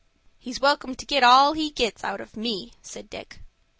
"He's welcome to all he gets out of me," said Dick.